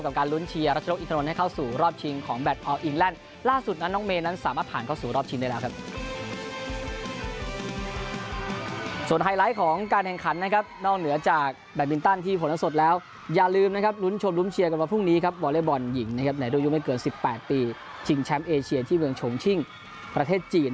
กับการลุ้นเชียราชนกอีกทางนั้นเข้าสู่รอบชิงของแบท